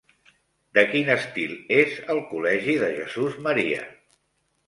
De quin estil és el col·legi de Jesús-Maria?